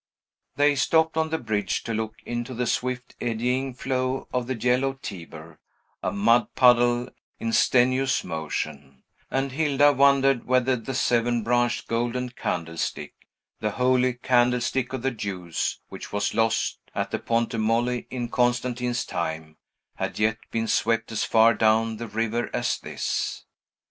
They stopped on the bridge to look into the swift eddying flow of the yellow Tiber, a mud puddle in strenuous motion; and Hilda wondered whether the seven branched golden candlestick, the holy candlestick of the Jews, which was lost at the Ponte Molle, in Constantine's time, had yet been swept as far down the river as this.